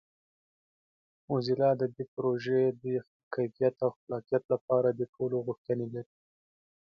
موزیلا د دې پروژې د کیفیت او خلاقیت لپاره د ټولو غوښتنې لري.